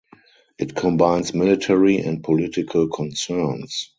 It combines military and political concerns.